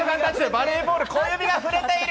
バレーボール、小指が触れている！